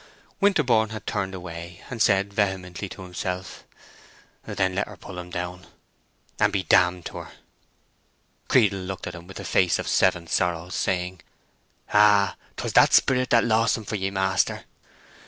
Winterborne had turned away, and said vehemently to himself, "Then let her pull 'em down, and be d—d to her!" Creedle looked at him with a face of seven sorrows, saying, "Ah, 'twas that sperrit that lost 'em for ye, maister!"